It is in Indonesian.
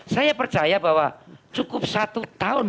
saya percaya bahwa cukup satu tahun